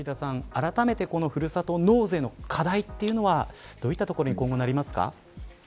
あらためて、このふるさと納税の課題というのはどういったところに今後なりますか。